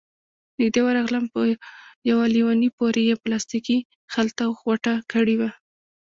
نږدې ورغلم، په يوه ليوني پورې يې پلاستيکي خلطه غوټه کړې وه،